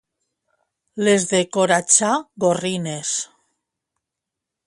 Les de Coratxà, «gorrines».